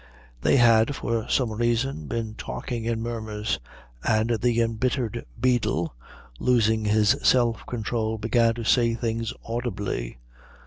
They had for some reason been talking in murmurs, and the embittered beadle, losing his self control, began to say things audibly.